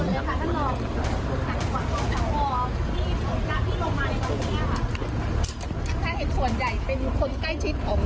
มีคนเลยค่ะท่านน้องท่านหวังว่าท่านหวังว่าท่านหวังท่านหวัง